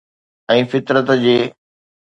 ۽ فطرت جي.